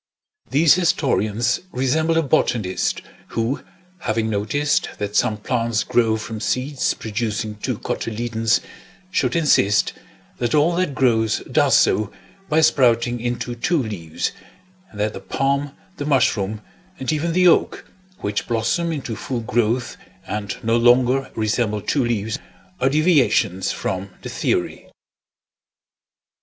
These historians resemble a botanist who, having noticed that some plants grow from seeds producing two cotyledons, should insist that all that grows does so by sprouting into two leaves, and that the palm, the mushroom, and even the oak, which blossom into full growth and no longer resemble two leaves, are deviations from the theory.